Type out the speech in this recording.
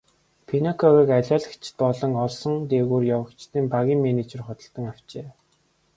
Пиноккиог алиалагчид болон олсон дээгүүр явагчдын багийн менежер худалдан авчээ.